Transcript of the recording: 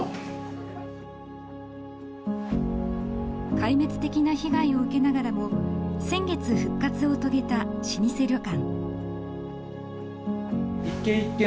壊滅的な被害を受けながらも先月復活を遂げた老舗旅館。